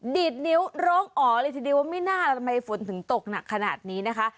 ดีดนิ้วร้องอ๋อเลยทีเดียวว่าไม่น่าทำไมฝนถึงตกหนักขนาดนี้นะคะ